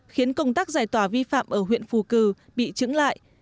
khiến công tác giải tỏa vi phạm ở huyện phù cử bị trứng lại